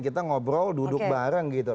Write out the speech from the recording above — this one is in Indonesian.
kita ngobrol duduk bareng gitu